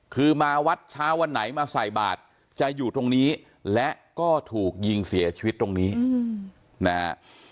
คือมาวัดเช้าวันไหนมาใส่บาทจะอยู่ตรงนี้และก็ถูกยิงเสียชีวิตตรงนี้นะฮะ